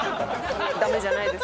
ダメじゃないです。